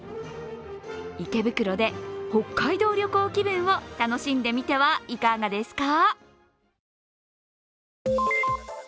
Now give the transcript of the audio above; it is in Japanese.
池袋で北海道旅行気分を楽しんでみてはいかがですか？